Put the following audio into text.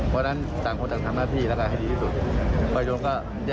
เขาพูดในสภาค่ะ